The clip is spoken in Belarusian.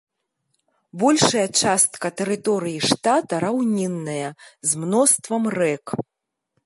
Большая частка тэрыторыі штата раўнінная, з мноствам рэк.